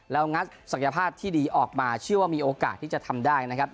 แล้วงัดศักยภาพที่ดีออกมาเชื่อว่ามีโอกาสที่จะทำได้นะครับ